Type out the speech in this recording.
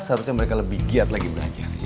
seharusnya mereka lebih giat lagi belajar